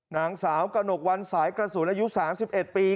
นางสาวกระหนกวันสายกระสุนอายุ๓๑ปี